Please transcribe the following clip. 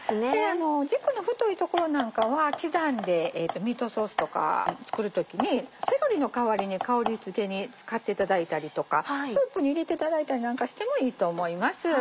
軸の太い所なんかは刻んでミートソースとか作る時にセロリの代わりに香りづけに使っていただいたりとかスープに入れていただいたりなんかしてもいいと思います。